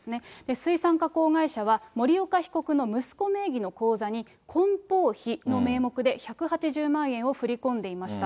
水産加工会社は、森岡被告の息子名義の口座に、こん包費の名目で１８０万円を振り込んでいました。